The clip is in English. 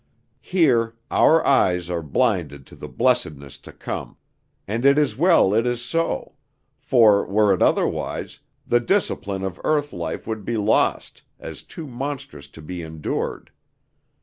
Here our eyes are blinded to the blessedness to come, and it is well it is so; for, were it otherwise, the discipline of earth life would be lost, as too monstrous to be endured.